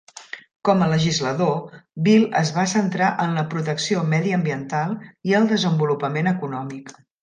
Com a legislador, Bill es va centrar en la protecció mediambiental i el desenvolupament econòmic.